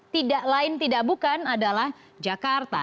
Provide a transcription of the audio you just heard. tidak lain tidak bukan adalah jakarta